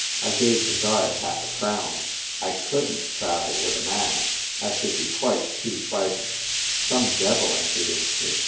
I gave the guard half a crown. I couldnt travel with a man. I should be quite too frightened." Some devil entered into me.